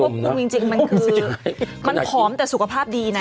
มันขอมแต่สุขภาพดีนะ